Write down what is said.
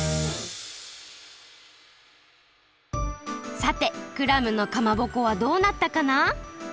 さてクラムのかまぼこはどうなったかな？